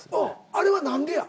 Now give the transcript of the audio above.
あれは何でや？